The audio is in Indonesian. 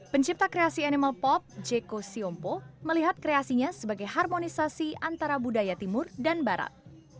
pencipta kreasi animal pop jeko siompo melihat kreasinya sebagai harmonisasi antara budaya timur dan barat